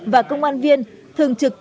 và công an viên thường trực